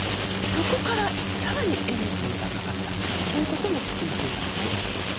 そこから更にエンジンがかかったということも聞いていますね。